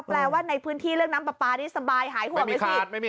แปลว่าในพื้นที่น้ำปลานี่สบายหายห่วงมีไหมสิ